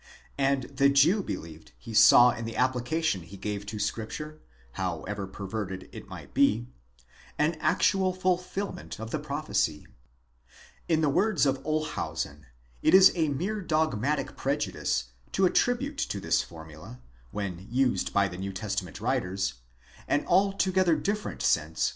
6 And. the Jew believed he saw in the application he gave to the Scripture, however perverted it might be, an actual fulfilment of the prophecy. In the words of Olshausen: it is a mere dogmatic prejudice to attribute to this formula, when used by the New Testament writers, an altogether different sense from that δ See Winer, Grammatik des neutest. ope: 3te Aufl.